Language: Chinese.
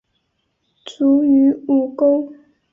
卒于午沟。